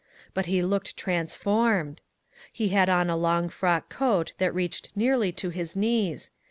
But he looked transformed. He had on a long frock coat that reached nearly to his knees.